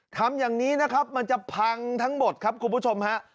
ทำอย่างนี้นะครับมันจะพังทั้งหมดครับคุณผู้ชมฮะ